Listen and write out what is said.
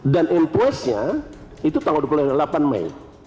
dan empoisnya itu tanggal dua puluh delapan mei